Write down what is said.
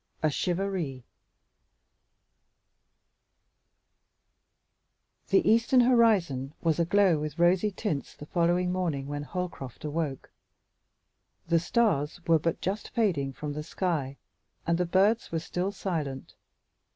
A Charivari The eastern horizon was aglow with rosy tints the following morning when Holcroft awoke; the stars were but just fading from the sky and the birds were still silent.